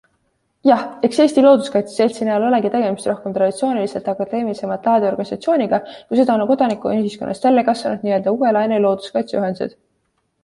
Jah, eks Eesti Looduskaitse Seltsi näol olegi tegemist rohkem traditsiooniliselt akadeemilisemat laadi organisatsiooniga kui seda on kodanikuühiskonnast välja kasvanud n-ö uue laine looduskaitseühendused.